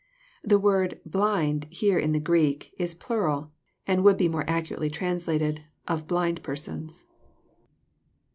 The word " blind " here in the Greek is plnral, and would be more accurately translated, '*of blind persons."